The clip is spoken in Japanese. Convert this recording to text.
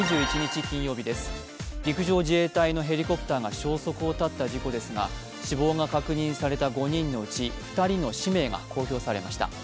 陸上自衛隊のヘリコプターが消息を絶った事故ですが死亡が確認された５人のうち２人の氏名が公表されました。